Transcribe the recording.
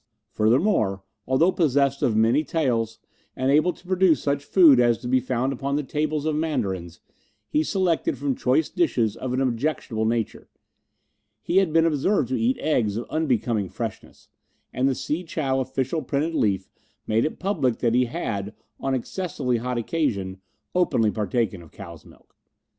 Furthermore, although possessed of many taels, and able to afford such food as is to be found upon the tables of Mandarins, he selected from choice dishes of an objectionable nature; he had been observed to eat eggs of unbecoming freshness, and the Si chow Official Printed Leaf made it public that he had, on an excessively hot occasion, openly partaken of cow's milk.